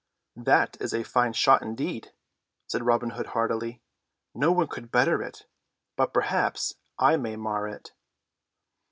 "That is a fine shot indeed," said Robin Hood heartily. "No one could better it; but perhaps I may mar it."